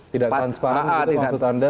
tidak transparan maksud anda